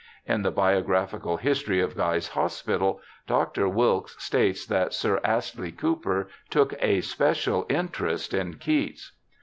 In the Bio graphical History of Guy's Hospital Dr. Wilks states that Sir Astley Cooper took a special interest in Keats.